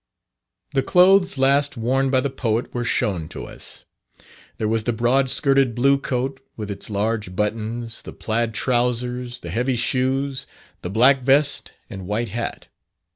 The clothes last worn by the Poet were shown to us. There was the broad skirted blue coat, with its large buttons, the plaid trousers, the heavy shoes, the black vest and white hat.